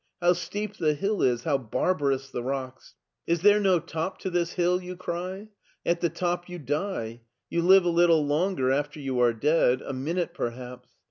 How steep the hill is, how barbarous the rocks !' Is there no top to this hill,' you cry. At the top you die. You live a little longer after you are dead — ^a minute perhaps.